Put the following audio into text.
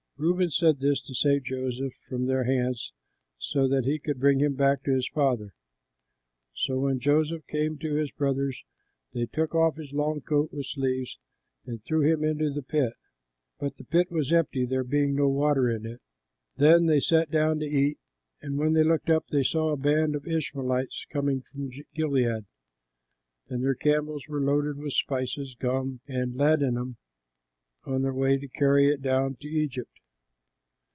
Reuben said this to save Joseph from their hands so that he could bring him back to his father. So when Joseph came to his brothers, they took off his long coat with sleeves and threw him into the pit. But the pit was empty, there being no water in it. Then they sat down to eat and, when they looked up, they saw a band of Ishmaelites coming from Gilead; and their camels were loaded with spices, gum, and ladanum on their way to carry it down to Egypt.